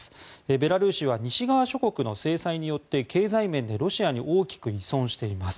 ベラルーシは西側諸国の制裁によって経済面でロシアに大きく依存しています。